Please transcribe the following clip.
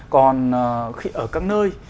còn ở các nơi